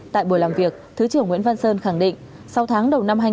tại buổi làm việc thứ trưởng nguyễn văn sơn khẳng định sau tháng đầu năm hai nghìn hai mươi